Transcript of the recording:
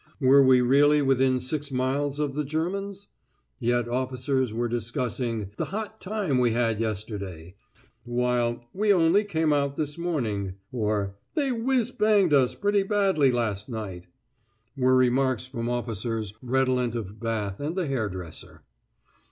Were we really within six miles of the Germans? Yet officers were discussing "the hot time we had yesterday"; while "we only came out this morning," or "they whizz banged us pretty badly last night," were remarks from officers redolent of bath and the hairdresser!